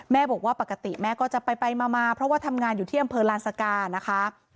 บอกว่าปกติแม่ก็จะไปมาเพราะว่าทำงานอยู่ที่อำเภอลานสกานะคะ